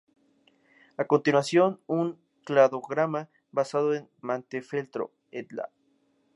A continuación un cladograma basado en Montefeltro "et al.